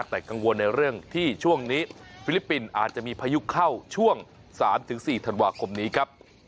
แต่กังวลในเรื่องที่ช่วงนี้ฟิลิปปินส์อาจจะมีพายุเข้าช่วง๓๔ธันวาคมนี้ครับ